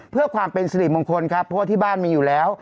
เพื่อความเป็นสิริมงคลครับเพราะว่าที่บ้านมีอยู่แล้ว